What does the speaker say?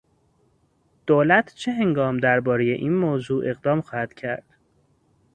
دولت چه هنگام دربارهی این موضوع اقدام خواهد کرد؟